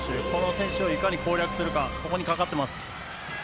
この選手をいかに攻略するかにかかっています。